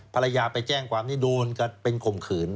ภรรยาไปแจ้งความนี่โดนกันเป็นข่มขืน